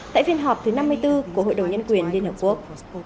tại phiên họp thứ năm mươi bốn của hội đồng nhân quyền liên hợp quốc